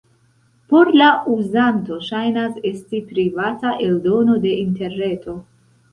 Por la uzanto ŝajnas esti privata eldono de interreto.